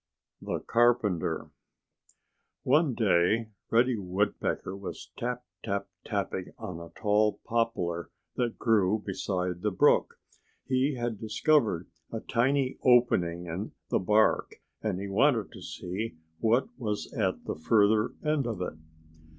*XIII* *THE CARPENTER* One day Reddy Woodpecker was tap, tap, tapping on a tall poplar that grew beside the brook. He had discovered a tiny opening in the bark and he wanted to see what was at the further end of it.